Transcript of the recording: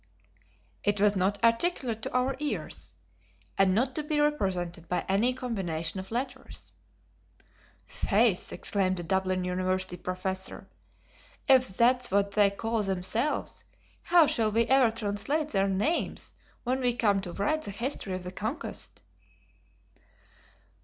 "R r r r r r h!" It was not articulate to our ears, and not to be represented by any combination of letters. "Faith," exclaimed a Dublin University professor, "if that's what they call themselves, how shall we ever translate their names when we come to write the history of the conquest?"